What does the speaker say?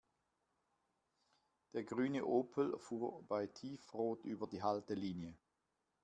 Der grüne Opel fuhr bei Tiefrot über die Haltelinie.